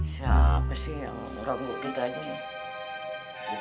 siapa sih yang ngurang bukit aja nih